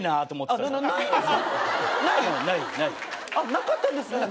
なかったんです？